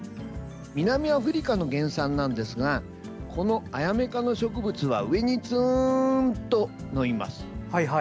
南アフリカの原産なんですがこのアヤメ科の植物は上にツーンと伸びます。